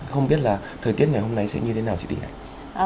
không biết là thời tiết ngày hôm nay sẽ như thế nào chị tinh ạ